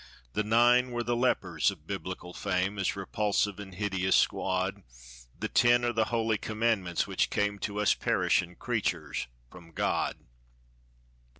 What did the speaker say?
The 'nine' were the lepers of Biblical fame, A repulsive and hideous squad. The 'ten' are the holy commandments, which came To us perishin' creatures from God.